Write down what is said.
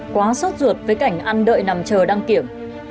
quá sốt ruột với cảnh ăn đợi nằm chờ đăng kiểm